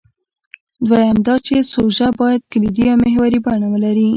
دویم دا چې سوژه باید کلیدي او محوري بڼه ولري.